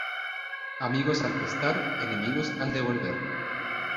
Amigos al prestar, enemigos al devolver.